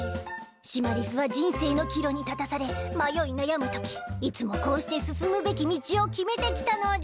シマリスは人生の岐路に立たされ迷い悩むときいつもこうして進むべき道を決めてきたのでぃす。